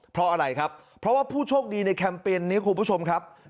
เพราะอะไรครับเพราะว่าผู้โชคดีในแคมเปญนี้คุณผู้ชมครับ